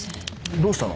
どうしたの？